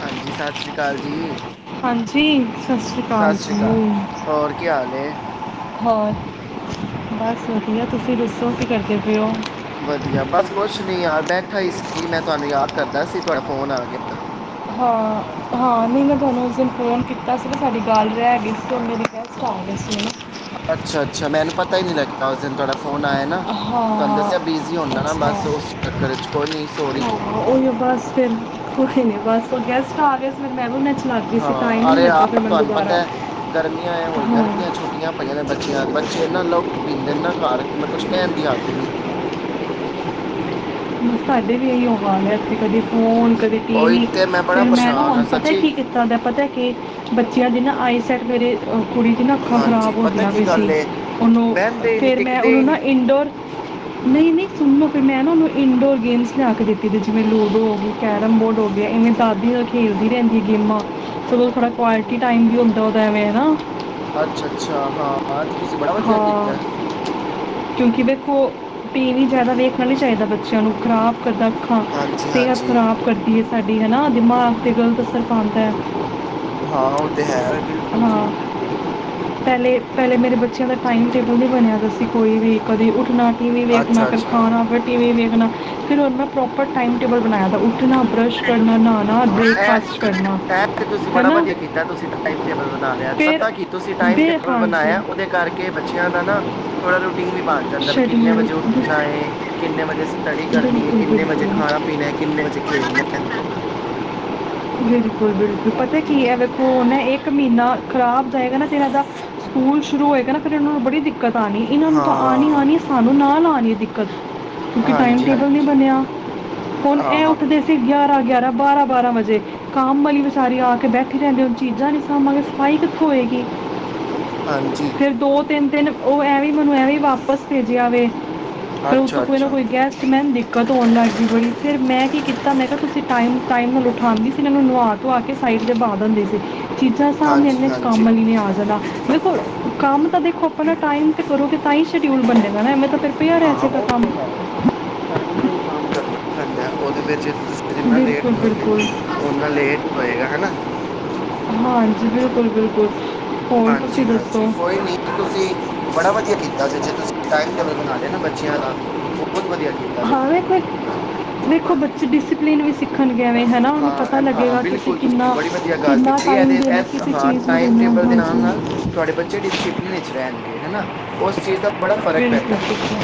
ਹਾਂਜੀ ਸਤਿ ਸ੍ਰੀ ਅਕਾਲ ਜੀ। ਹਾਂਜੀ ਸਤਿ ਸ੍ਰੀ ਸਤਿ ਅਕਾਲ ਸ਼੍ਰੀ ਜੀ ਹੋਰ ਕੀ ਹਾਲ ਹੈ ਹੋਰ ਬਸ ਵਧੀਆ। ਤੁਸੀਂ ਦੱਸੋ ਕੀ ਕਰਦੇ ਪਏ ਹੋ? ਵਧੀਆ ਬਸ ਕੁਛ ਨੀ ਯਾਰ ਬੈਠਾ ਹੀ ਸੀ ਮੈਂ ਤੁਹਾਨੂੰ ਯਾਦ ਕਰਦਾ ਸੀ। ਤੁਹਾਡਾ ਫੋਨ ਆ ਗਿਆ। ਹਾਂ ਹਾਂ ਨਹੀਂ ਮੈਂ ਤੁਹਾਨੂੰ ਉਸ ਦਿਨ ਫ਼ੋਨ ਕੀਤਾ ਸੀਗਾ ਸਾਡੀ ਗੱਲ ਰਹਿ ਗਈ ਸੀ ਮੇਰੇ ਗੈਸਟ ਆ ਗਏ ਸੀ ਨਾ। ਅੱਛਾ ਅੱਛਾ ਮੈਨੂੰ ਪਤਾ ਹੀ ਨਹੀ ਲੱਗਿਆ ਉਸ ਦਿਨ ਤੁਹਾਡਾ ਫੋਨ ਆਇਆ ਨਾ ਤੁਹਾਨੂੰ ਹਾਂ ਦੱਸਿਆ ਬਿਜ਼ੀ ਹੁੰਦਾ ਨਾ ਅੱਛਾ ਬਸ ਉਸ ਚੱਕਰ ਚ ਕੋਈ ਨਾ ਸੋਰੀ। ਹਾਂ ਉਹੀ ਬਸ ਫਿਰ ਕੋਈ ਨੀ ਬਸ ਉਹ ਗੈਸਟ ਆ ਗਏ ਸੀ ਫਿਰ ਮੈਂ ਓਹਨਾ ਚ। ਹਾਂ ਅਰੇ ਯਾਰ ਤੁਹਾਨੂੰ ਪਤਾ ਗਰਮੀਆਂ ਹੋਈਆਂ ਹਾਂ ਦੀਆਂ ਛੁੱਟੀਆਂ ਪਈਆਂ ਦੀਆ ਬੱਚਿਆਂ ਦੀ ਬੱਚੇ ਇਹਨਾਂ ਲਉ ਪੀਂਦੇ ਨਾ ਘਰ ਮੈਂ ਕੁਝ ਕਹਿਣ ਦੀ ਹੱਦ ਨੀ। ਸਾਡੇ ਵੀ ਇਹੀਓ ਹਾਲ ਹੈ ਐਥੇ ਕਦੀ ਫੋਨ। ਫੋਨ ਕਦੀ ਉਹੀ ਟੀਵੀ ਤੇ ਬੜਾ ਫਿਰ ਮੈਂ ਨਾ ਪਰੇਸ਼ਾਨ ਹੁਣ ਆ ਪਤਾ ਸੱਚੀ ਕੀ ਕੀਤਾ ਦਾ ਪਤਾ ਕੀ ਬੱਚਿਆ ਦੀ ਨਾ ਆਈਸਾਈਟ ਮੇਰੇ ਓਹ। ਕੁੜੀ ਦੀ ਨਾ ਅੱਖਾਂ ਹਾਂਜੀ ਖ਼ਰਾਬ ਪਤਾ ਹੋਦੀਆਂ ਕੀ ਪਈ ਸੀ ਗੱਲ ਏ ਉਹਨੂੰ ਬਹਿੰਦੇ ਹੀ ਨਹੀਂ ਫਿਰ ਮੈਂ ਟਿਕਦੇ ਹੀ ਉਹਨੂੰ ਨਾ ਨਹੀਂ ਇਨਡੋਰ ਨਹੀਂ ਨਹੀਂ ਸੁਣੋ ਫਿਰ ਮੈਂ ਨਾ ਓਹ ਇਨਡੋਰ ਗੇਮਸ ਲਿਆ ਕੇ ਦਿੱਤੀ ਦੀ ਜਿਵੇਂ ਲੂਡੋ ਹੋ ਗਈ ਕੈਰਮ ਬੋਰਡ ਹੋ ਗਿਆ ਇਵੇਂ ਦਾਦੀ ਨਾਲ ਖੇਡਦੀ ਰਹਿੰਦੀ ਐ ਗੇਮਾਂ ਸਗੋਂ ਥੋੜ੍ਹਾ ਕੁਆਲਟੀ ਟਾਈਮ ਵੀ ਹੁੰਦਾ ਉਹਦਾ ਐਵੇਂ ਹੈ ਨਾ। ਅੱਛਾ ਅੱਛਾ ਹਾਂ ਤੇ ਤੁਸੀਂ ਬੜਾ ਵਧੀਆ ਹਾਂ ਕੀਤਾ ਹੈ। ਕਿਉਂਕਿ ਉਹ ਟੀਵੀ ਜ਼ਿਆਦਾ ਵੇਖਣਾ ਨਹੀਂ ਚਾਹੀਦਾ ਬੱਚਿਆਂ ਨੂੰ ਖਰਾਬ ਕਰਦਾ ਅੱਖਾਂ ਹਾਂਜੀ ਸੇਹਤ ਹਾਂਜੀ ਖਰਾਬ ਕਰਦੀ ਹੈ ਸਾਡੀੇ। ਹੈ ਨਾ ਦਿਮਾਗ 'ਤੇ ਗਲਤ ਅਸਰ ਪਾੰਦੈ। ਹਾਂ, ਔ ਤੇ ਹੈ। ਬਿਲਕੁਲ ਜੀ ਹਾਂ, ਬਿਲਕੁਲ ਪੈਲੇ ਪੈਲੇ ਮੇਰੇ ਬੱਚਿਆਂ ਦਾ ਟਾਈਮ ਟੇਬਲ ਨੀ ਬਣਿਆ ਦਾ ਸੀ, ਕੋਈ ਵੀ ਕਦੀ ਉੱਠਣਾ ਟੀ ਵੀ ਵੇਖਣਾ, ਅੱਛਾ ਫੇਰ ਅੱਛਾ ਖਾਣਾ, ਫੇਰ ਹਾਂ ਟੀ ਵੀ ਵੇਖਣਾਂ। ਫਿਰ ਹੋਣ ਮੈਂ ਪ੍ਰੋਪਰ ਟਾਈਮ ਟੇਬਲ ਬਣਾਯਾ ਦੈ। ਉੱਠਣਾ ਬਰਸ਼ ਹਾਂ, ਐ ਐਪ ਤੇ ਤੁਸੀਂ ਹੈ ਬੜਾ ਨਾ ਵਧੀਆ ਕੀਤਾ, ਤੁਸੀਂ ਟਾ ਮ ਟੇਬਲ ਬਣਾ ਲਿਆ ਫਿਰ ਪਤਾ ਕੀ ਤੁਸੀਂ ਟਾਈਮ ਬੇ ਟੇਬਲ ਹਾਂਜੀ ਬਣਾਯੈ, ਓਦੇ ਕਰਕੇ ਬੱਚਿਆਂ ਦਾ ਨਾ ਥੋੜਾ ਰੁਟੀ ਟੀਮ ਵੀ ਬਣ ਜਾਂਦੈ, ਵੀ ਕਿੰਨੇ ਸ਼ਡਿਊਲ ਵਜੇ ਉੱਠਣਾ ਏ, ਕਿੰਨੇ ਵਜੇ ਸਟੱਡੀ ਕਰਨੀ ਏ, ਬਿਲਕੁਲ ਕਿੰਨੇ ਵਜੇ ਬਿਲਕੁਲ ਖਾਣਾ ਪੀਣੈ, ਕਿੰਨੇ ਵਜੇ ਖੇਲਣੈ। ਬਿਲਕੁਲ ਬਿਲਕੁਲ ਪਤਾ ਕੀ ਐ, ਐ ਵੇਖੋ ਹੁਨ ਐ ਏਕ ਮੀਨਾ ਖਰਾਬ ਜਾਏਗਾ ਨਾ, ਫੇਰ ਐਦਾ ਸਕੂਲ ਸ਼ੁਰੂ ਹੋਏਗਾ ਨਾ ਫਿਰ ਇਨਾਂ ਨੂੰ ਬੜੀ ਦਿ ਦਿੱਕਤ ਆਣੀ ਏ, ਏਨਾਂ ਨੂੰ ਤਾਂ ਆਣੀ ਹਾਂ ਆਣੀ ਏ ਸਾਨੂੰ ਨਾਲ ਆਣੀ। ਦਿੱਕਤ। ਕਿਉਂਕਿ ਟਾਈਮ ਹਾਂਜੀ ਟੇਬਲ ਨੀ ਹਾਂਜੀ ਬਣਿਆ, ਹੁਣ ਹਾਂ ਐ ਹਾਂ ਉੱਠਦੇ ਸੀ ਗਿਆਰ ਗਿਆਰਾਂ ਬਾਰਾਂ ਬਾਰਾਂ ਵਜੇ। ਕਾਮ ਅਲੀ ਵਿਚਾਰੀ ਆ ਕੇ ਬੈਠੀ ਰੈੰਦੀ, ਹੁਣ ਚੀਜ਼ਾਂ ਨੀ ਸਾੰਭਾਗੇ, ਸਫਾਈ ਕਿਥੋ ਹੋਏਗੀ? ਹਾਂਜੀ ਫਿਰ ਦੋ ਤੇਨ ਦੇਨ ਓਹ ਐ ਵੀਂ ਮੈਨੂੰ ਐਵੇਂ ਈ ਵਾਪਸ ਭੇਜਿਆ ਵੇ। ਫੇਰ ਅੱਛਾ ਉਤੋਂ ਕੋਈ ਨਾ ਅੱਛਾ ਕੋਈ ਗੈਸਟ ਮੈੰਦੀ ਦਿੱਕਤ ਹੋਣ ਲੱਗ ਗੀ ਬੜੀ ਫੇਰ ਮੈਂ ਕੀ ਕੀਤਾ ਮੈਂ ਕਿਆ ਤੁਸੀਂ ਟਾਈਮ ਟਾਈਮ ਨਾਲ ਉਠਾਂਦੀ ਸ ਤੂ ਉਨੂੰ ਨੁਆ ਧੂਆ ਕੇ ਸਾਈਡ ਤੇ ਬਾ ਦਿੰਦੀ ਸੀ। ਚੀਜਾ਼ ਸਾਮ ਹਾਂਜੀ ਲੈਣੀਆਂ ਸੀ ਹਾਂਜੀ ਕਮ ਅਲੀ ਨੇ ਆਕ ਦੇਖੋ ਕੰਮ ਤਾਂ ਦੇਖੋ ਅਪਣਾ ਟਾਈਮ ਤੇ ਕਰੋਗੇ ਤਾਂ ਈ ਸ਼ਡਿਊਲ ਬਣੇਗਾ ਨਾ, ਐਵੇਂ ਤਾਂ ਫਿਰ ਪਿਆ ਰਹਿ ਹਾਂ ਜਾਏਗਾ ਔ ਕੰਮ ਤੇ ਹੈ ਵੇਖੋ, ਟਾਈਮ ਤੇਈ ਕੰਮ ਕਰਣੈ। ਪੈਂਦੈ ਔਦੇ ਵੇਚ ਏ ਤੁ ਤੁਸੀਂ ਜਿੰਨਾ ਲੇਟ ਬਿਲਕੁਲ ਕਰੋਗੇ, ਬਿਲਕੁਲ ਓਨਾ ਲੇਟ ਹੋਏਗਾ, ਹੈਨਾ। ਹਾਂਜੀ, ਬਿਲਕੁਲ ਬਿਲਕੁਲ‌ ਹਾਂਜੀ ਹਾਂਜੀ, ਕੋਈ ਨੀ ਤੁਸੀਂ ਬੜਾ ਵਧੀਆ ਕੀਤਾ ਜੇ, ਜੇ ਤੁਸੀਂ ਟਾਈਮ ਟੇਬਲ ਬਣਾ ਲਿਆ ਨਾ ਬੱਚਿਆਂ ਦਾ ਬੌਤ ਵਧੀਆ ਕੀ ਹਾਂ ਵੇਖੇ, ਵੇਖੋ ਬੱਚੇ ਡਿਸਪਲਿਨ ਵੀ ਸਿੱਖ ਹਾਂ ਐ ਹਾਂ, ਬਿਲਕੁਲ ਤੁਸੀਂ ਕਿੰਨਾ ਬੜੀ ਵਧੀਆ ਗੱਲ ਕਿੰਨਾ ਕੀਤੀ, ਟਾਈਮ ਐਤੇ ਦੇਣਾ ਐਸ ਕਿਸੇ ਹਾਂ ਚੀਜ਼ ਨੂੰ ਟਾਈਮ ਦੇਣਾ ਟੇਬਲ ਦੇ ਨਾਲ ਹਾਂਜੀ ਨਾਲ ਤੁਹਾਡੇ ਬੱਚੇ ਡਿਸੀਪਲਿਨ ਇਚ ਰੈਣਗੇ। ਹੈਨਾ, ਉਸ ਚੀਜ਼ ਦਾ ਬੜਾ ਫ਼ਰਕ ਬਿਲਕੁਲ ਪੈਂਦੈ। ਬਿਲਕੁਲ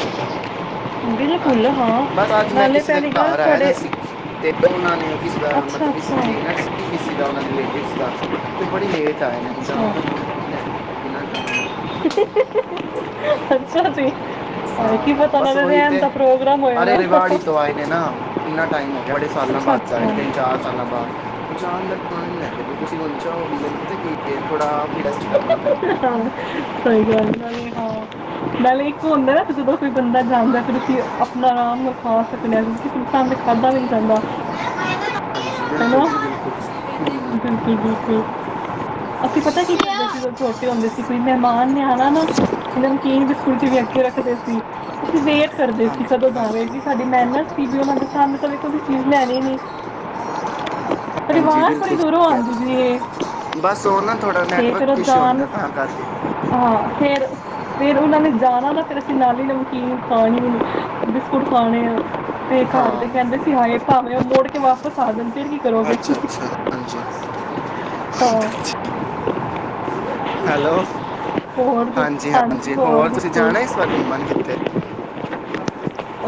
ਬਿਲਕੁਲ ਹਾਂਜੀ, ਹਾਂ ਬਸ ਅੱਜ ਮੈਂ ਨਾਲੇ ਕਿਸੇ ਦੇ ਪਹਿਲੀ ਗੱਲ ਘਾਰ ਆਯਾ ਦਾ ਤੁਹਾਡੇ ਸੀ, ਤੇ ਔਨਾਂ ਨੇ ਕਿਸ ਦਾ ਅੱਛਾ ਮਤਲਬ ਕਿ ਅੱਛਾ ਡਿਨਰ ਸੀ ਕਿਸੇ ਦਾ ਉਹਨਾਂ ਰਿਲੇਟਿਵਸ ਦਾ ਅਤੇ ਬੜੀ ਲੇਟ ਨੇ ਹੁਣ ਅੱਛਾ ਦਾ ਨ ਲੈਦੇ ਅੱਛਾ ਜੀ ਹਾਂ ਕੀ ਹਾਂ ਪਤਾ ਉਹਨਾਂ ਬਸ ਦੇ ਉਹੀ ਰਹਿਣ ਤੇ ਦਾ ਪ੍ਰੋਗਰਾਮ ਹੋਇਆ ਨਾ ਅਰੇ ਰਿਵਾੜੀ ਤੋਂ ਆਏ ਨੇ ਨਾ ਕਿੰਨਾ ਟਾਈਮ ਹੋ ਗਿਆ ਬੜੇ ਸਾਲਾਂ ਅੱਛਾ ਬਾਅਦ ਆਏ ਅੱਛਾ ਨੇਨ ਚਾਰ ਸਾਲਾਂ ਬਾਅਦ ਉਹ ਜਾਣ ਦਾ ਨਾਂ ਨੀ ਲੈਂਦੇ ਬਈ ਤੁਸੀਂ ਉਚਾ ਹੋ ਬੰਦੇ ਨੂੰ ਪਤਾ ਕੀ ਥੋੜਾ ਫ ਹਾਂ ਸਹੀ ਗ ਪਹਿਲਲੇ ਇੱਕ ਹੁੰਦਾ ਨਾ ਜਦੋਂ ਕੋਈ ਬੰਦਾ ਜਾਂਦਾ ਫਿਰ ਉਸ ਆਪਣਾ ਆਰਾਮ ਨਾਲ ਖਾਸ ਸਕ ਕਿਸੇ ਨੂੰ ਸਾਹਮਣੇ ਖਾਧਾ ਵੀ ਨਹੀਂੀ ਜਾਂਦਾ ਹਾਂਜੀ ਬਿਲਕੁਲ ਹੈਲੋ ਜੀ ਬਿਲਕੁਲ ਜਾਂ ਜੀ ਜੀ ੀ ਅਸੀਂ ਪਤਾ ਕੀ ਕਰਦੇ ਦੋਂ ਛੋਟੇ ਹੁੰਦੇ ਸੀ ਕੋਈ ਮਹਿਮਾਨ ਨ ਹਨ ਨਾ ਇਹਦਾ ਨੂੰ ਕੀਨ ਸਕੂਲ ਚ ਵੀ ਅਗੇ ਰੱਖਦੇ ਸੀ ਤੁਸੀਂ ਦੇ ਕਰਦੇ ਸੀ ਹਾਂਜੀ ਕਦੋਂ ਜਾਵੇ ਹਾਂਜੀ ਵੀ ਸਾਡੀ ਮਿਹਨਤ ਸੀ ਵੀ ਉਹਨਾਂ ਦੇ ਸਾਨੂੰ ਕਵੇ ਕੋਈ ਚੀਜ਼ ਲੈਣੀ ਨੇ ਹਾਂਜੀ ਬੜੀ ਬਿਲਕੁਲ ਦੂਰੋਂ ਆਉਂਦੀ ਵੀ ਬਸ ਉਹਓ ਨਾ ਥਹਾਡਾ ਨੈਟਵਰਕ ਇਸ਼ੂ ਰਜ਼ਾਨਾਂ ਹੁੰਦਾ ਤਾਂ ਕਰਕੇ ਫ ਫਿਰ ਉਹਨਾਂ ਨੇ ਜਾਣਾ ਤਾਂ ਫਿਰ ਅਸੀਂ ਨਾਲੀ ਨਮਕੀਨ ਖਣੀ ਬਿਸਕੁਟ ਖਾਣੇ ਆ ਤੇ ਹਾਂ ਘਰਦੇ ਕਹਿੰਦੇ ਸੀ ਹਾਏ ਭਗ ਉਹ ਮੋੜ ਕੇ ਵਾਪਸ ਆ ਜਾਂਦੇ ਅੱਛਾ ਅੱਛਾ ਹਾਂਜੀ ਹਾਂ ਹੈਲੋ ਹੋਰ ਹਾਂਜੀ ਦੱਸ ਹਾਂਜੀ ਹੋਰ ਤੁਸੀਂ ਦੱਸੋ ਜਾਣਾ ਇਸ ਵਾਰ ਘੁੰਮਣ ਕਿੱਥੇ ੀ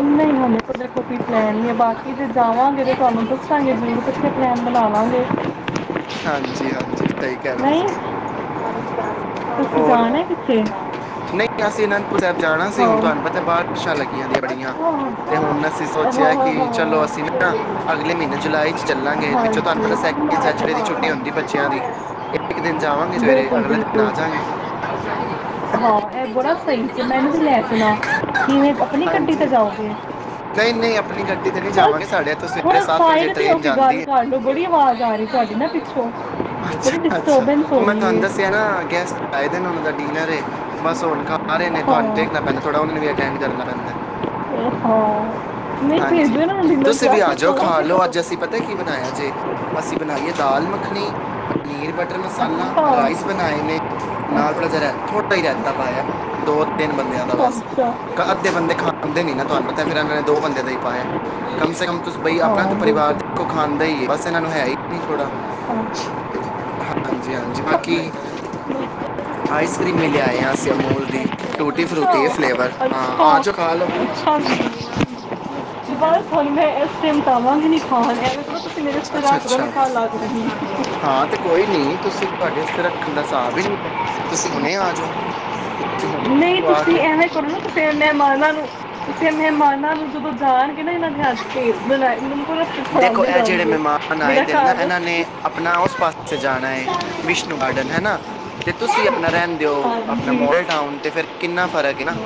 ਨਹੀਂ ਹਾਨਦੇ ਕੋਲ ਪਲੈ ਹੀ ਹੈ ਘਰ ਬਾਕੀ ਆਉਂਦੇ ਦੇ ਨੇ ਕੋਲ ਜਾਵਾਂਗੇ ਤੇ ਤੁਹਾਨੂੰ ਐਗਜ਼ੈਕਟਲੀ ਚੈੱਕ ਦੱਸਾਂਗੇ ਕਰਦੇ ਜ਼ਰੂਰ ਕਿੱਥੇ ਪਲੈਨ ਬਣਾਵਾਂਗੇ ਹਾਂਜੀ ਹਾਂਜੀ ਸਹੀ ਕਹਿ ਰਹੇ ਨਹੀਂ ਤੁਸੀਂ ਤੁਸੀਂ ਹੋਰ ਜਾਣਾ ਹੈ ਕਿੱਥੇ ਨਹੀਂ ਅਸੀਂ ਅਨੰਦਪੁਰ ਸਾਹਿਬ ਜਾਣਾ ਸੀ ਹੁਣ ਹਾਂ ਤੁਹਾਨੂੰ ਪਤਾ ਬਾਰਿਸ਼ਾਂ ਲੱਗੀਆਂ ਦੀਆਂ ਬੜੀਆਂ ਅੱਛਾ ਤੇ ਹੁਣ ਅਸੀਂ ਹਾਂ ਹਾਂ ਸੋਚਿਆ ਹਾਂ ਕਿ ਚਲੋ ਅਸੀਂ ਨਾ ਅਗਲੇ ਮਹੀਨੇ ਜੁਲਾਈ ਚ ਚੱਲਾਂਗੇ ਵਿੱਚੋਂ ਤੁਹਾਨੂੰ ਹਾਂਜੀ ਪਤਾਕ ਦੀ ਛੁੱਟੀ ਹਾਂ ਹੁੰਦੀ ਬੱਚਿਆਂ ਦੀ ਇਹ ਇੱਕ ਦਿਨ ਜਾਵਾਂਗੇ ਸਵੇਰੇ ਬਿਲਕੁਲ ਅਗਲੇ ਦਿਨ ਬਿਲਕੁਲ ਆ ਜਾਗੇ ਹਾਂ ਇਹ ਬੜਾ ਸਹੀ ਚ ਮੈਨੂੰ ਵੀ ਲੈ ਜਾਣਾ ਕਿਵੇਂ ਆਪਣੀ ਗੱਡੀ ਤੇ ਜਾਓਗੇ ਨਹੀਂ ਨਹੀਂ ਆਪਣੀ ਗੱਡੀ ਤੇ ਨਹੀਂ ਜਾਵਾਂਗੇ ਸਾਡੇ ਇੱਥੋਂ ਸਵੇਰੇ ਥੋੜਾ ਵਜੇ ਸਾਈਡ ਤੇ ਹੋ ਟ੍ਰੇਨ ਕੇ ਜਾਂਦੀ ਗੱਲ ਕਰ ਲੋ ਬੜੀ ਆਵਾਜ਼ ਆ ਰਹੀ ਸੀ ਅੱਛਾ ਅੱਛਾ ਡਿਸਟਰਬੈਂਸ ਹੋ ਉਹ ਮੈਂ ਰਹੀ ਤੁਹਾਨੂੰ ਹੈ ਦੱਸਿਆ ਨਾ ਗੈਸਟ ਆਦੇ ਦਾ ਡਿਨਰ ਬਸ ਹੁਣ ਸਾਰੇ ਨੇ ਹਾਂ ਤੁਹਾਨੂੰੇਖਣਾ ਪੈਂਦਾ ਥੋੜਾ ਉਹਨਾਂ ਵੀ ਅੈਂਡ ਜਨ ਰਦਾ ਇਹ ਹਾਂ ਨਹੀਂ ਭੇਜੋ ਹਾਂਜੀ ਇਹਨਾਂ ਨੂੰ ਡਿਨਰ ਤੁਸੀਂ ਕਰਾ ਵੀ ਕੇ ਆ ਜਾਓ ਖਾ ਸੋਵਾਂਗੇ ਲੋਓ ਕਦੋਂ ਅੱਜ ਅਸੀਂ ਪਤਾ ਕੀ ਬਣਾਇਆ ਜੇ ਅਸੀਂ ਬਣਾਈਏ ਦਾਲ ਮੱਖਣੀ ਪਨੀਰ ਟਰ ਮਸਾਲਾ ਅੱਛਾ ਰਾਈਸ ਬਣਾਏ ਨੇ ਨਾ ੋੜਾ ਅੱਛਾ ਜਿਹਾ ਰ ਥੋੜਾ ਰਹਿ ਤ ਪਾਇਆ ਦੋ ਤਿੰਨ ਬੰਦਿਆਂ ਦਾ ਬਸ ਅੱਛਾ ਅੱਧੇ ਬੰਦੇ ਖਣਦੇ ਨੀ ਨਾ ਤੁਹਾਨੂੰ ਪਤਾ ਫਿਰ ਇਹਨਾਂ ਨੇ ਬੰਦੇ ਦੇ ਹੀ ਪਾਏ ਕਮ ਸੇ ਕਮ ਤੁ ਬਈ ਆਪਣਾ ਹਾਂ ਬਿਲਕੁਲ ਪਰਿਵਾਰ ਕੋ ਖਾਂਣਦਾ ਹੀ ਬਸ ਇਹਨਾਂ ਨੂੰ ਹੈ ਹੀ ਨਹੀਂ ਥੋੜਾ ਹਾਂ [unintelligible] ਹਾਂਜੀ ਹਾਂਜੀ ਬਾਕੀ ਆਈਸ ਕਰ੍ਰੀਮ ਮਿਲ ਆਏ ਹ ਅਸੀਂ ਅਮੂਲ ਦੀ ਟੂਟੀ ਅੱਛਾ ਫਰੂਟੀ ਹੈ ਫਲੇਵਰ ਹਾਂ ਅੱਛਾ ਆ ਜਾਓ ਖਾ ਲਓ ਅੱਛਾ ਜੀ ਬਸ ਹੁਣ ਮੈਂ ਇਸ ਟਾਈਮ ਤਾਂਵਾਂਗੇ ਨੀ ਖਾਣ ਐਂਵੇ ਕਰਲੋ ਤੁਸੀਂ ਮੇਰੇ ਰਿਸ਼ਤੇ ਅੱਛਾ ਰੱਖ ਦਿੋ ਮੈਂ ਅੱਛਾ ਕੱਲ ਆ ਕ ਦਣੀ ਤੁ ਤੁਹਾਡੇਤੇ ਰੱਖਣ ਦਾ ਹਾਬ ਵੀ ਨਹੀਂ ਹੈ ਤੁਸੀਂ ਹੁਣੇ ਆ ਜਾਓ ਤੁਸੀਂ ਹੁਣੇ ਖਾ ਨਹੀਂ ਲਓ ਆ ਤੁਸੀਂ ਕੇ ਐਵੇਂ ਕਰੋ ਨਾ ਕਿਸੇ ਮਹਿਮਾਨਾਂ ਨੂੰ ਕਿਸੇ ਮਹਿਮਾਨਾਂ ਨੂੰ ਸਬੁ ਜਾਾਰ ਦੇਖੋ ਛੜਾਉਂਦੇ ਇਹ ਜਿਹੜੇ ਜਾਣਗੇ ਮਹਿਮਾਨ ਆਏ ਮੇਰਾ ਤੇ ਨਾ ਘਰ ਇਹਨਾਂ ਨੇ ਰਸਤੇ ਆਪਣਾ ਉਸ ਪਾਸੇ ਜਾਣਾ ਹੈ ਵਿਸ਼ਨੂੰ ਗਾਰਡਨ ਹੈਾ ਤੇ ਤੁਸੀਂ ਆਪਣਾ ਰਹਿੰਦੇ ਹੋ ਆਪਣਾ ਹਾਂਜੀ ਮੋਲ ਡਾਨ ਤੇ ਫਿਰ ਕਿੰਨਾ ਫਰਕ ਹੈ ਨਾ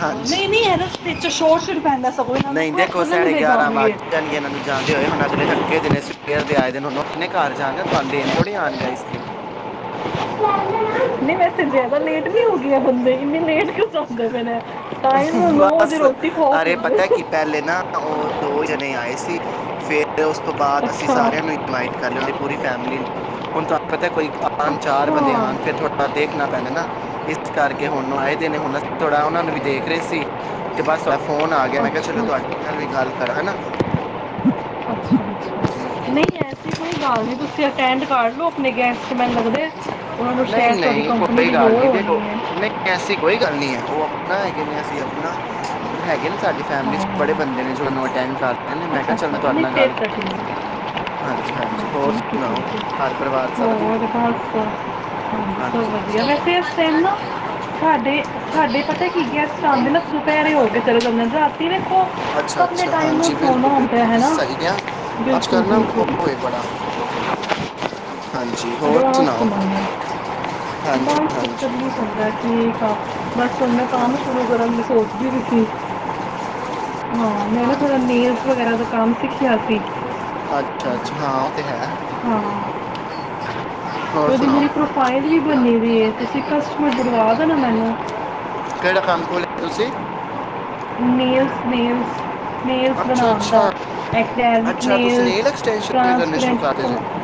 ਹਾਂਜੀ ਨਹੀਂ ਨਹੀਂ ਹੈ ਨਾ ਸ਼ੋਟ ਨਹੀਂ ਦੇਖੋ ਸੈੜੇ ਗਿਆਰਾਂ ਵੱਜ ਜਾਣਗੇਨਾਂ ਨੂੰ ਜਾਣਦੇ ਹੋਏ ਹੁਣ ਅਗਲੇ ਥੱਕੇ ਦਿਨ ਸਵੇਰ ਆਏ ਦਿ ਨੇ ਇੰਨੇ ਘਰ ਜਾਣਗੇ ਤੁਹਾਨੂੰ ਦੇਣ ਤੋੜੀ ਆਉਣਗੇ ਆਈਸ ਕ੍ਰੀਮ ਨਹੀਂ ਵੈਸੇ ਜ਼ਿਆਦਾ ਲੇਟ ਵੀ ਪਏ ਨੇ ਟਾਈਮ ਵਜੇ ਬਸ ਰੋਟੀ ਖਾਓ ਅਾਰੇ ਪੈਂਦੇ ਪਤਾ ਕਿ ਪਹਿਲੇ ਨਾ ਉਹ ਦੋ ਜਣੇ ਆਏ ਸੀ ਫੇਰ ਤੇ ਉਸ ਤੋਂ ਬਾਅਦ ਅਸੀਂ ਅੱਛਾ ਸਾਰਿਆਂ ਨੂੰ ਇਨਵਾਈਟ ਕਰ ਲਿਆ ਉਹਨਾਂ ਦੀ ਪੂਰੀ ਫੈ ਹੁਣ ਤੁਹਾਨੂੰ ਪਤਾ ਕੋਈ ਚਾਰ ਅੱਛਾ ਬੰਦੇਿਆਉਣ ਫਿਰ ਥੋੜ੍ਹਾ ਦੇਖਣਾ ਪੈਂਦਾ ਨਾ ਇਸ ਕਰਕੇ ਹੁਣ ਆਏ ਦਿ ਨੇ ਹੁਣ ਥੋੜਾ ਉਹਨਾਂ ਨੂੰ ਵੀ ਦੇਖ ਰਹੇ ਸੀ ਤੇ ਬਸ ਫੋਨ ਆ ਗਿਆ ਅੱਛਾ ਮੈਂ ਕਿਹਾ ਚਲੋ ਅੱਛਾ ਤੁਹਾਡੇ ਨਾਲ ਵੀ ਗੱਲ ਕਰਾਂ ਹਨਾ [unintelligible] ਅੱਛਾ ਜੀ ਅੱਛਾ ਨਹੀਂ ਐਸੀ ਕੋਈ ਗੱਲ ਨਹੀਂ ਤੁਸੀਂ ਅਟੈਂਡ ਕਰ ਲਓ ਆਪਣੇ ਗੈਸਟ ਬੈ ਲਦੇ ਨਹੀਂ ਨਹੀਂ ਕੋਈ ਗੱਲ ਨਹੀਂੀ ਹੋਣੀ ਦੇਖੋ ਹੈ ਨਹੀਂ ਐਸੀ ਕੋ ਕੋਈ ਗੱਲ ਨੀ ਹੈ ਉਹ ਆਪਣਾ ਹੈਗੇ ਨੇ ਅਸੀਂ ਆਪਣਾ ਹੈਗੇ ਨੇ ਸਾਡੀ ਫੈਮਿਲੀ ਚ ਹਾਂ ਬੜੇ ਬੰਦੇ ਨੇ ਜੋ ਅਟੈਂਡ ਕਰ ਰਹੇ ਨੇ ਅੱਛਾ ਚੱਲ, ਮੈਂ ਅੱਛਾ ਤੁਹਾਡੇ ਨਹੀਂ ਨਾਲ ਫੇਰ ਗੱਲ ਤਾਂ ਕਰੀ ਠੀਕ ਹੈ ਹਾਂਜੀ, ਹਾਂਜੀ। ਹਾਂ, ਹੋਰ ਠੀਕ ਹੈ, ਸੁਣਾਓ, ਠੀਕ ਹੈ ਹਰ ਪਰਿਵਾਰ ਸ ਵਧੀਆ? ਹਾ। ਸੋ ਹਾਂਜੀ ਵਧੀਆ। ਵੈਸੇ, ਇਸ ਟਾਈਮ ਨਾ ਵਾਲਾ ਸਾਡੇ, ਸਾਡੇ ਪਤਾ ਕੀ ਲਾਲ ਗਟ ਤਿੰਨ ਆਂਦੇ ਨਾ, ਪੀਲੇ ਦੁਪਹਿਰੇ ਹੋ ਕੇ ਚਲੇ ਜਾਂਦੇ ਨੇ, ਰਾਤੀ ਦੇਖੋ ਆਪਣੇ ਟਾਈਮ ਨਾਲ ਸੋਣਾ ਆਉਂਦਾ ਹੈ ਨਾ। ਠੀਕ ਹੈ। ਬਿਲਕੁਲ ਅਜਕਲ ਨਾ, ਬਿਲਕੁਲ ਉਹਵੇ ਬੜਾ ਹਨ। ਅ ਅ ਸੁਣਾਦੇ। ਹਾਂਜੀ ਡਾਂਸ ਪਚਰ ਹਾਂਜੀ ਵੀ ਸੁਣਦਾ, ਠੀਕ ਆ। ਬਸ, ਮੈਂ ਕੰਮ ਹਾਂਜੀ ਸ਼ੁਰੂ ਕਰਨ ਦੀ ਸੋਚਦੀ ਵੀ ਸੀ। ਹਾਂ, ਮੈਂ ਨਾ ਖਾਣ ਥੋੜ੍ਹਾ, ਕੇ ਵਾਸਤੇ ਨੇਲਸ ਚਿਕਨ ਸਾਰੇ ਵਗੈਰਾ ਦਾ ਕੰਮ ਸਿੱਖਿਆ ਸੀ। ਖਾਣਾ ਅੱਛਾ ਅੱਛਾ! ਹਾਂ ਉਹ ਤੇ ਹੈ। ਹਾਂ। [inaudible] ਹੋਰ ਅਤੇ ਉਹਦੀ ਸੁਣਾਓ ਮਰੀ ਪ੍ਰੋਫਾਈਲ ਵੀ ਬਨੀ ਦੀ ਹੈ। ਤੁਸੀਂ ਕਸਟਮਰ ਬਣਵਾ ਦੇ ਨਾ ਮੈਨੂੰ। ਖੋਲ ਤੁਸੀਂ। ਨੀਲਸ, ਨੀਲਸ, ਮੀਲਸ ਅੱਛਾ ਬਣਾਉਣ ਦਾ ਅੱਛਾ ਐਕ। ਅੱਛਾ ਤੁਸੀਂੇ ਸ਼ੁਰੂ ਕਰ ਜੇ? ਟ੍ਰਾਂਸਪੇਰੈਂਟ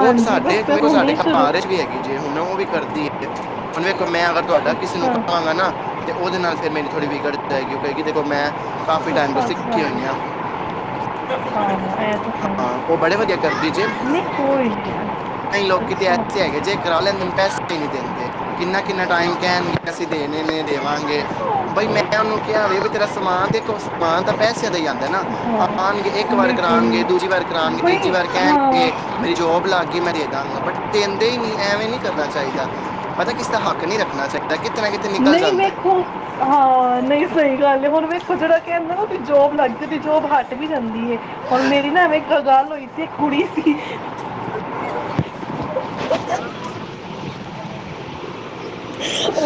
ਉਹ ਸਾਡੇ, ਬਸ ਮੈਂ ਸਾਡੇ ਹੁਣੇ ਸ਼ੁਰੂ ਘਰ ਵੀ ਹੈਗੀ ਜੇ। ਹੁਣ ਉਹ ਵੀ ਕਰਦੀ ਹੈ। ਉਹ ਵੇਖੋ ਮੈਂ ਅਗਰ ਤੁਹਾਡਾ ਕਿਸੇ ਨੂੰ ਅੱਛਾ ਕਵਾਂਗਾ ਨਾ, ਤੇ ਉਹਦੇ ਨਾਲ ਫਿਰ ਮੇਰੀ ਥੋੜ੍ਹੀ ਵਿਗੜ ਜਾਏਗੀ। ਉਹ ਕਹਗੀ ਦੇਖੋ ਮੈਂ ਕਾਫੀ ਟਾਈਮ ਤੋਂ ਅੱਛਾ ਅੱਛਾ ਸਿੱਖੀ ਆਣੀ ਹਾਂ। ਇਹ ਤਾਂ ਹਾਂ ਹੈ ਉਹ ਬੜੇ ਵਧੀਆ ਕਰਦੀ ਜੇ। ਨਹੀਂ ਕੋਈ ਨਹੀਂ ਲੋਕ ਕਿਤੇ ਅੱਛਾ ਐਸੇ ਹੈਗੇ ਜੇ, ਕਰਾ ਲੈਂਦੇ ਪੈਸੇ ਨੀ ਦਿੰਦੇ। ਕਿੰਨਾ, ਕਿੰਨਾ ਟਾਈਮ ਕਹਿਣਗੇ ਅਸੀਂ ਦੇਣੇ ਨੇ, ਦੇਵਾਂਗੇ, ਬਈ ਮੈਂ ਉਹਨੂੰ ਕਿਹਾ ਵੀ ਬ ਤੇਰਾ ਸਮਾਨ ਤੇ, ਸਮਾਨ ਤਾਂ ਪੈਸੇ ਦਾ ਹੀ ਆਉਂਦਾ ਨਾ ਹਾਂ ਆਉਣਗੇ। ਇੱਕ ਵਾਰ ਕਰਾਉਣਗੇ, ਲੇਕਿਨ ਦੂਜੀ ਵਾਰ ਕਰਾਉਣਗੇ, ਬਈ ਤੀਜੀ ਵਾਰ ਹਾਂ ਕਹਿਣਗੇ, ਮੇਰੀ ਜੋਬ ਲੱਗ ਗਈ ਮੈਂ ਦੇ ਬਟ ਦਿੰਦੇ ਹੀ ਨਹੀਂ। ਐਵੇਂ ਨਹੀਂੀ ਕਰਨਾ ਚਾਹੀਦਾ। ਪਤਾ ਕਿਸ ਦਾ ਹੱਕ ਨਹੀਂੀ ਰੱਖਣਾ ਚਾਹੀਦਾ। ਕਿਤੇ ਨਾ ਕਿਤੇ ਨਿਕਲ ਨਹੀਂ ਜਾਂਦਾ ਹੈ। ਵੇਖੋ, ਹਾਂ! ਨਹੀਂ ਸਹੀ ਗੱਲ, ਹੁਣ ਮੇਖ ਕੁਝੜਾ ਕਹਿੰਦਰ ਜੋਬ ਲੱਗਦੀ ਜੋਬ ਹਟ ਵੀ ਜਾਂਦੀ ਹੈ ਹੁਣ ਮੇਰੀ ਨਾ, ਐਵੇਂ ਇੱਕ ਗੱਲ ਹੋਈ ਕਿਸੇ, ਕੁੜੀ ਸੀ! ਲ ਗਰਮ ਆ।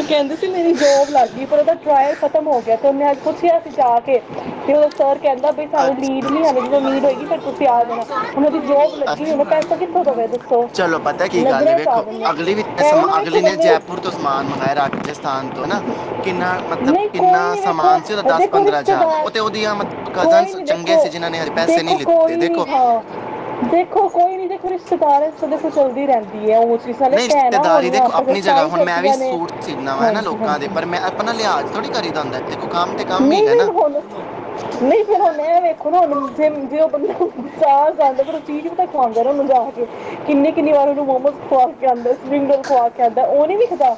ਕਹਿੰਦੇ ਸੀ ਮੇਰੀ ਜੋਬ ਲੱਗ ਗਈ ਪਰ ਉਹਦਾ ਟਰਾਇਲ ਖ਼ਤਮ ਹੋ ਗਿਆ ਤੇ ਉਹਨੇ ਅੱਜ ਪੁੱਛਿਆ ਸੀ ਜਾ ਕੇ ਤੇ ਉਹ ਸਰ ਕਹਿੰਦਾ ਬਈ ਸਾਨੂੰ ਅੱਛਾ ਲੀਡ ਨੀ ਹੇ ਜਦੋਂ ਲੀਡ ਹੋਏਗੀ ਫੇਿਰ ਤੁਸੀਂ ਆ ਜਾਣਾ ਉਹਨਾਂ ਦੀ ਜੋਬ ਲੱਗੀ ਅੱਛਾ ਨੀ ਉਹ ਪੈਸਾ ਕਿੱਥੋਂ ਦੇਵੇ ਦੱਸੋ ਚਲੋ ਪਤਾ ਕੀ ਗੱਲ ਹੈ ਨਜ਼ਰਿਆਂ ਚ ਆ ਵੇਖੋ ਜਾਂਦੇ ਐਵੇਂ ਨਾਖ ਬੰਦੇ ਮੰਗਵਾਏ ਰਾਜਸਥਾਨ ਤੋਂ ਹਨਾ ਕਿੰਨਾ ਮਤਲਬ ਨਹੀਂ ਕੋਈ ਕਿੰਨਾ ਨਹੀਂ ਵੇਖੋ ਸਮਾਨ ਸੀ ਉਹਦਾ ਦਸ ਦੇਖੋ ਪੰਦਰਾਂ ਹਜ਼ਾਰ ਰਿਸ਼ਤੇਦਾਰ ਉਹ ਤੇ ਉਹਦੀਆਂ ਮਤਲਬ ਕੋਈ ਕਜ਼ਨਸ ਨੀ ਚੰਗੇ ਦੇਖੋ ਸੀ ਜਿਨ੍ਹਾਂ ਨੇ ਹਜੇ ਪੈਸੇ ਨਹੀਂ ਦੇਖੋ ਲਿੱਤੇ ਕੋਈ ਨੀ ਦੇਖੋ ਹਾਂ ਦੇਖੋ ਕੋਈ ਨੀ ਦੇਖੋ ਵਿੱਚ ਸਿਤਾਰ ਇਸ ਤ ਖਚਲਦੀ ਰਹਿੰਦੀ ਹੈ ਚ ਨਹੀਂ ਭੈਣਾਂ ਰਿਸ਼ਤੇਦਾਰੀ ਹੋਣੀਆਂ ਦੇਖੋ ਆਪਾਂ ਆਪਣੀ ਜਗ੍ਹਾ ਤਹੀ ਹੁਣ ਕਰਦੇ ਮੈਂ ਵੀ ਸੂਟ ਸੀਨਾ ਵਾ ਹਨਾ ਲੋਕਾਂ ਦੇ ਪਰ ਮੈਂ ਆਪਣਾ ਲਿਹਾਜ਼ ਥੋੜੀ ਕਰੀ ਦ ਹਦਾ ਨਹੀਂ ਫ ਹੁਣ ਨਹੀਂ ਫੇਿਰ ਹੁਣ ਐ ਵੇਖੋ ਨਾ ਹੁਣ ਜੇ ਜੇ ਉਹ ਬੰਦਾ ਬਾਰ ਜਾਂਦਾ ਫਿਰ ਉਹ ਚੀਜ਼ ਪਤਾ ਖੁਵਾਉਂਨੂੰ ਜਾ ਕੇ ਕਿੰਨੀੇ ਕਿੰਨੀ ਵਾਰ ਉਹਨੂੰ ਮੋਮੋਸ ਖਵਾ ਕੇ ਆਉਂਦਾ ਸਪਿੰਗ ਰੋਲ ਖਵਾ ਕੇ ਆਉਂਦਾ ਉਹਨੇ ਨ ਖ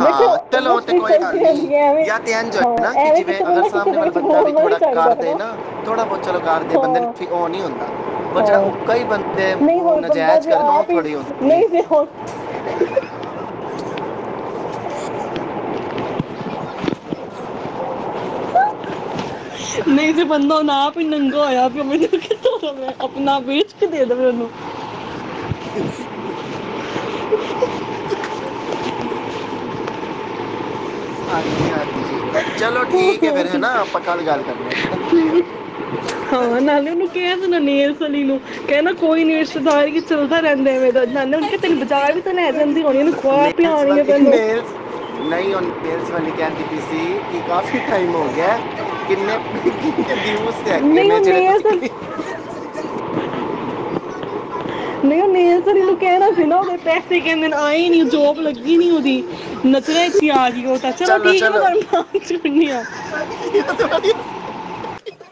ਹਾਂ ਚਲੋ ਦੇਖੋਸ ਵੀ ਚੱਲਦੀ ਰਹਿੰਦੀ ਹੈ ਐਵੇਂ ਹਨ ਹਾਂ ਨਾ ਕਿ ਐਵੇਂ ਜਿਵੇਂ ਕਿਸੇ ਨੂੰ ਅਗਰ ਨਾ ਕਿਸੇ ਸਾਹਮਣੇ ਦੇ ਵਾਲਾ ਵਿੱਚ ਬੰਦਾ ਵੀ ਬੋਲਣਾ ਨਹੀਂ ਥੋੜਾ ਚਾਹੀਦਾ ਹੈ ਕਰਦੇ ਨਾ ਥੋੜਾ ਬਹੁਤ ਚਲੋ ਕਰਦੇ ਹਾਂ ਬੰਦੇ ਉਹ ਨਹੀਂੀ ਹੁੰਦਾ ਪਰ ਜਿਹੜਾ ਉ ਹਾਂ ਹੀ ਬੰਦੇ ਨਹੀਂ ਨੂੰ ਹੋਰ ਬੰਦਾ ਨਾਜਾਇਜ਼ ਜੇ ਕਰਨ ਉਹ ਆਪ ਹੀ ਥੋੜੀ ਆੁੰਦੀ ਹੈ ਨਹੀਂ ਜੇ ਹੁਣ [unintelligible] [unintelligible] [unintelligible] [unintelligible] ਹਾਂਜੀ ਹਾਂ ਆਪਾਂ ਕੱਲ ਗੱਲ ਕਰਨੇ ਆ। [unintelligible] ਨਾਲੇ ਉਹਨੂੰ ਕਹਿ ਦੇਣਾ ਨੇਲਸ ਆਲੀ ਨੂੰ ਕੀ ਕੀਤਾ ਯਾਰ ਨੇਲਸ ਵਾਲੀ [unintelligible] [unintelligible] ਨੇਲਸ ਨਹੀਂ [unintelligible] ਵਾਲੀ ਕਹਿੰਦੀ ਪੀ ਸੀ ਕਿ ਕਾਫ਼ੀ ਟਾਈਮ ਹੋ ਗਿਆ ਕਿੰਨੇ ਕਿੰਨੇ ਨਹੀਂ ਉਹ ਨੇਲਸ [unintelligible] [unintelligible] ਨਹੀਂ ਉਹ ਨੇਲਸ ਵਾਲੀ ਨੂੰ ਕਹਿਣਾ ਸੀ ਨਾ ਉਹਦੇ ਪੈਸੇ ਕਿੰਨੇ ਆਏ ਨੀ ਜੋਬ ਲੱਗੀ ਨੀ ਉਹਦੀ [unintelligible] ਗਈ ਉਹ ਤਾਂ ਚਲੋ ਠੀਕ ਚਲੋ [unintelligible] [unintelligible]